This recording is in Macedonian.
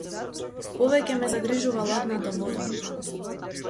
Повеќе ме загрижува ладната вода.